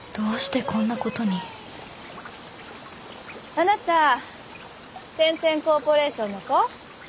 あなた天・天コーポレーションの子？